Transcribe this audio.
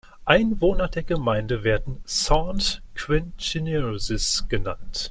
Einwohner der Gemeinde werden "Saint-Quentinoises" genannt.